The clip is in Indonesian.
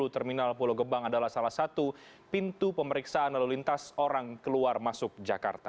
terminal pulau gebang adalah salah satu pintu pemeriksaan lalu lintas orang keluar masuk jakarta